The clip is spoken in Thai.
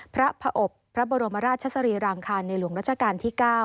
พระผอบพระบรมราชสรีรางคารในหลวงรัชกาลที่๙